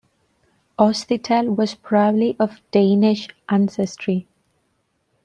Oscytel was probably of Danish ancestry.